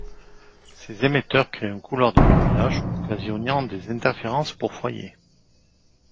Ces émetteurs créent un couloir de brouillage occasionnant des interférences pour foyers.